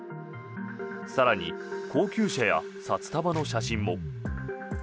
更に、高級車や札束の写真も。